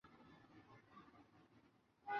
卡赫和布拉瑟姆合并而来。